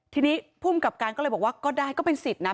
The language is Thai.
ทีนี้ภูมิกับการก็เลยบอกว่าก็ได้ก็เป็นสิทธิ์นะ